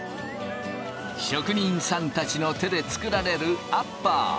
職人さんたちの手で作られるアッパー。